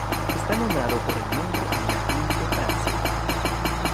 Está nombrado por el nombre en latín de Francia.